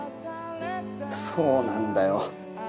そうなんだよ。